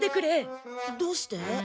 どうして？